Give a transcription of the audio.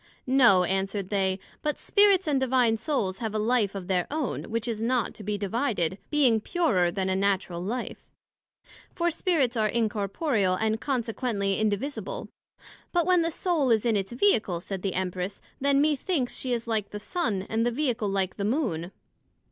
No, answered they; but Spirits and Divine Souls have a life of their own, which is not to be divided, being purer then a natural life; for Spirits are incorporeal, and consequently indivisible. But when the Soul is in its Vehicle, said the Empress, then methinks she is like the Sun, and the Vehicle like the Moon.